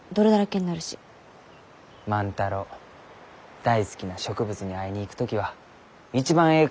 万太郎大好きな植物に会いに行く時は一番えい